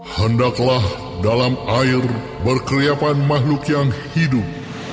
hendaklah dalam air berkeliapan makhluk yang hidup